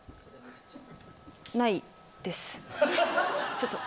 ちょっと。